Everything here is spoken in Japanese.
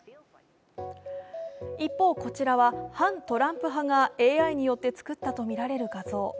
一方、こちらは反トランプ派がＡＩによって作ったとみられる画像。